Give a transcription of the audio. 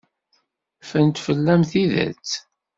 Ffrent fell-am tidet.